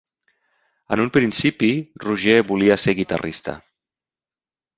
En un principi, Roger volia ser guitarrista.